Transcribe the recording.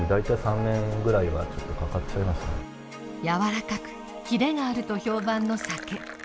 やわらかくキレがあると評判の酒。